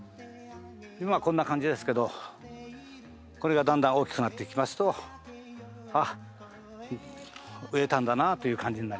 今はこんな感じですけどこれがだんだん大きくなってきますとあっ植えたんだなという感じになります。